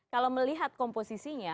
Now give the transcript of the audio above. kalau melihat komposisinya